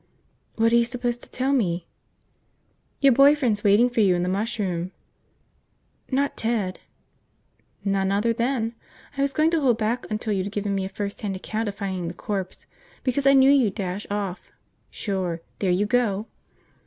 "What are you supposed to tell me?" "Your boy friend's waiting for you in the mush room." "Not Ted?" "None other than. I was going to hold back until you'd given me a firsthand account of finding the corpse, because I knew you'd dash off – sure, there you go."